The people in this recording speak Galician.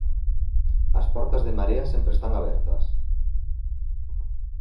As portas de Marea sempre están abertas.